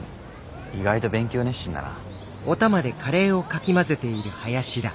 意外と勉強熱心だな。